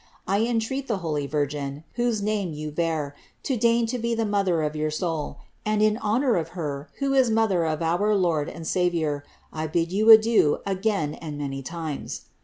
I entreat tlie Holy Virgin, whose name you bear, to deign to be the mother of your souU and in honour of her who is mother of our Lord and Saviour, I bid you adieu again and many times.